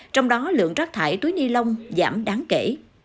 trong đó lượng rác thải túi ni lông giảm đáng kể